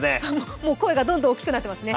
もう、声がどんどん大きくなっていますね。